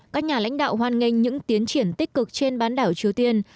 các nhà lãnh đạo hoan nghênh những tiến triển tích cực trên bán đảo triều tiên